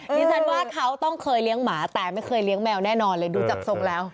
ดิฉันว่าเขาต้องเคยเลี้ยงหมาแต่ไม่เคยเลี้ยงแมวแน่นอนเลยดูจากทรงแล้ว